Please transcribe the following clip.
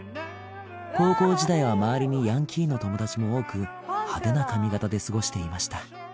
高校時代は周りにヤンキーの友達も多く派手な髪形で過ごしていました